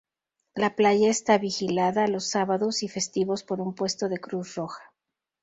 La playa está vigilada los sábados y festivos por un puesto de Cruz Roja.